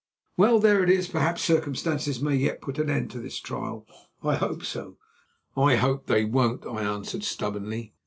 Well, there it is; perhaps circumstances may yet put an end to this trial; I hope so." "I hope they won't," I answered stubbornly.